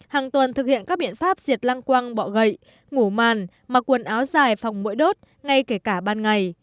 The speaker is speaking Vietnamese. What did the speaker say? hàng tuần thực hiện các biện pháp diệt lăng quăng bọ gậy ngủ màn mặc quần áo dài phòng mũi đốt ngay kể cả ban ngày